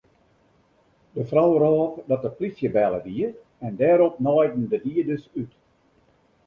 De frou rôp dat de plysje belle wie en dêrop naaiden de dieders út.